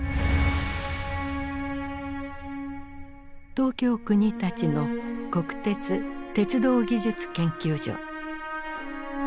東京・国立の国鉄鉄道技術研究所。